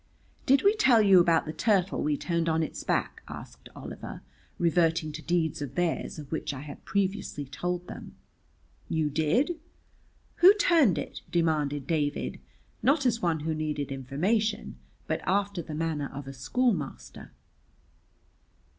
"Did we tell you about the turtle we turned on its back?" asked Oliver, reverting to deeds of theirs of which I had previously told them. "You did." "Who turned it?" demanded David, not as one who needed information but after the manner of a schoolmaster.